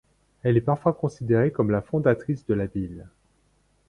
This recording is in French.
Elle est parfois considérée comme la fondatrice de la ville.